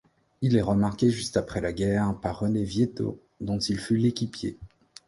Il est remarqué juste après la guerre par René Vietto, dont il fut l’équipier.